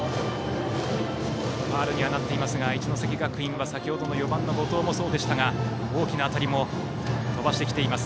ファウルにはなっていますが一関学院は先程の４番の後藤もそうでしたが大きな当たりも飛ばしてきています。